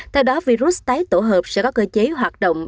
theo đó virus tái tổ hợp sẽ có cơ chế hoạt động